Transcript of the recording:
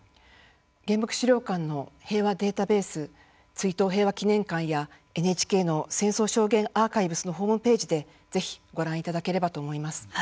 原爆資料館の平和データベース追悼平和祈念館やＮＨＫの戦争証言アーカイブスのホームページでぜひご覧いただければと思います。